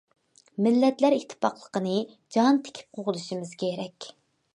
مىللەتلەر ئىتتىپاقلىقىنى جان تىكىپ قوغدىشىمىز كېرەك.